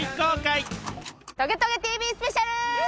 『トゲトゲＴＶ』スペシャル！